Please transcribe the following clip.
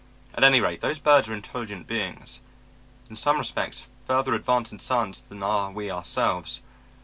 At any rate those birds are intelligent beings; in some respects, further advanced in science than are we ourselves.